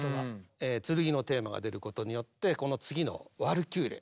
剣のテーマが出ることによってこの次の「ワルキューレ」。